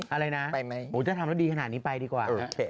อะไรน่ะไปไหมโหถ้าทำแล้วดีขนาดนี้ไปดีกว่าเออโอเค